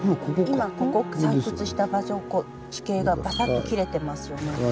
今ここ採掘した場所地形がバサッと切れてますよね。